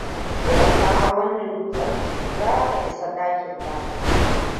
Idan ka hau wannan dutsen, zaku isa dakin Lab.